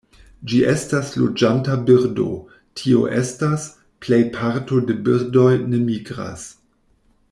Ĝi estas loĝanta birdo, tio estas, plej parto de birdoj ne migras.